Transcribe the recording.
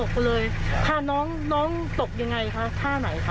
โอ้ตอนตกเลยถ้าน้องตกยังไงคะท่าไหนคะ